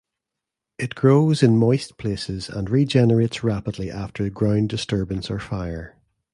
It grows in moist places and regenerates rapidly after ground disturbance or fire.